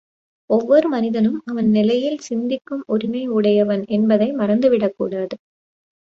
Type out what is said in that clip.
ஒவ்வொரு மனிதனும் அவன் நிலையில் சிந்திக்கும் உரிமை உடையவன் என்பதை மறந்துவிடக்கூடாது.